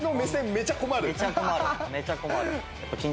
めちゃ困る。